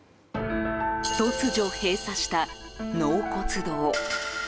突如、閉鎖した納骨堂。